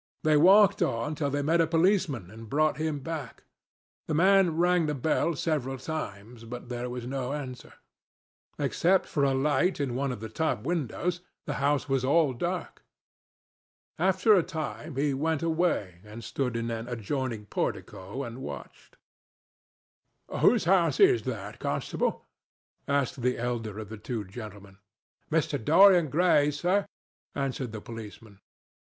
They walked on till they met a policeman and brought him back. The man rang the bell several times, but there was no answer. Except for a light in one of the top windows, the house was all dark. After a time, he went away and stood in an adjoining portico and watched. "Whose house is that, Constable?" asked the elder of the two gentlemen. "Mr. Dorian Gray's, sir," answered the policeman.